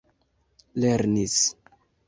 lernis